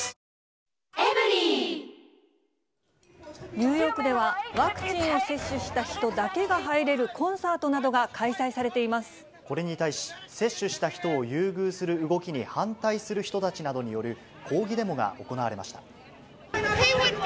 ニューヨークでは、ワクチンを接種した人だけが入れるコンサートなどが開催されていこれに対し、接種した人を優遇する動きに反対する人たちなどによる抗議デモが行われました。